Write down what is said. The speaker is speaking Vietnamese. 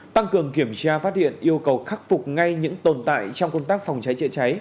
tăng cường kiểm tra phát hiện yêu cầu khắc phục ngay những tồn tại trong công tác phòng cháy chữa cháy